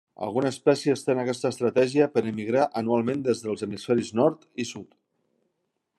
Alguna espècie estén aquesta estratègia per emigrar anualment entre els Hemisferis Nord i Sud.